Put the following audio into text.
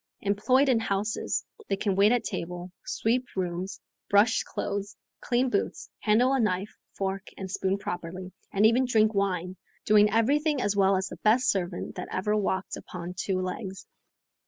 Employed in houses, they can wait at table, sweep rooms, brush clothes, clean boots, handle a knife, fork, and spoon properly, and even drink wine... doing everything as well as the best servant that ever walked upon two legs.